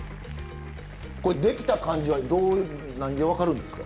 これできた感じはどう何で分かるんですか？